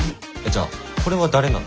じゃあこれは誰なの？